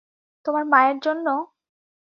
তোমার মায়ের জন্য?